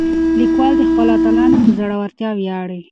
لیکوال د خپلو اتلانو په زړورتیا ویاړي.